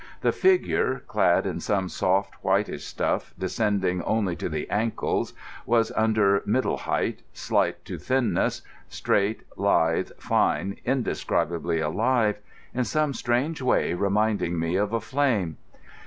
The figure, clad in some soft, whitish stuff descending only to the ankles, was under middle height, slight to thinness, straight, lithe, fine, indescribably alive—in some strange way reminding me of a flame.